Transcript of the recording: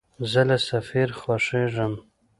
زه له سفر خوښېږم.